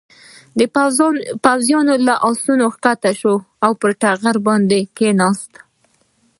پوځيان له آسونو کښته شول او پر ټغرونو یې کېناستل.